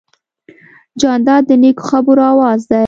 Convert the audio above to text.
جانداد د نیکو خبرو آواز دی.